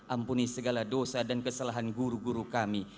ampuni segala dosa dan kesalahan guru guru kami